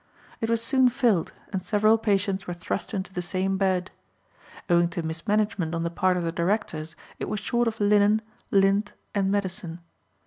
It was soon filled, and several patients were thrust into the same bed. Owing to mismanagement on the part of the directors, it was short of linen, lint, and medicine.